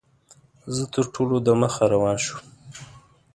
زه تر ټولو دمخه روان شوم.